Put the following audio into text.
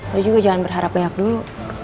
dia juga jangan berharap banyak dulu